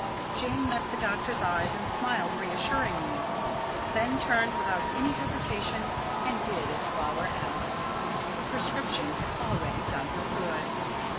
Jane met the doctor's eyes and smiled reassuringly; then turned without any hesitation and did as Flower asked. The prescription had already done her good.